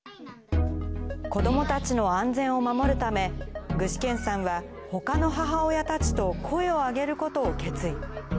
子どもたちの安全を守るため、具志堅さんはほかの母親たちと声を上げることを決意。